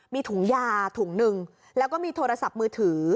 มีถุงยาส์๑แล้วก็มีโทรศัพท์มือถือ